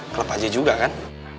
kelep saja juga kan